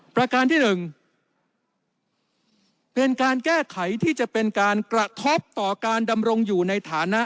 ประการที่๑เป็นการแก้ไขที่จะเป็นการกระทบต่อการดำรงอยู่ในฐานะ